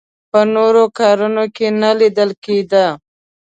په نورو کاروانونو کې نه لیدل کېده.